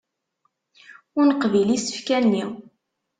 Ur neqbil isefka-nni.